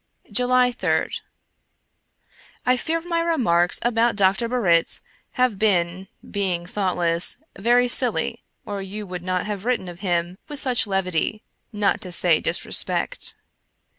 July 3d. I fear my remarks about Dr. Barritz must have been, being thoughtless, very silly, or you would not have written of him with such levity, not to say disrespect.